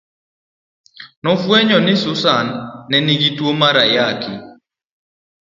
Nofwenyo ni Susan ne nigi tuo mar Ayaki.